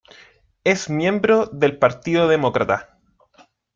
Es miembro del partido Demócrata.